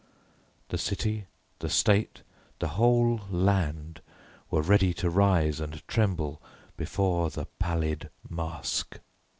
The city, the state, the whole land, were ready to rise and tremble before the Pallid Mask.